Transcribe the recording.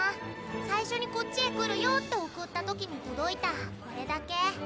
最初にこっちへ来るよって送った時に届いたこれだけ。